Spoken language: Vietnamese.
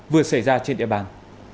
vừa xảy ra trên địa bàn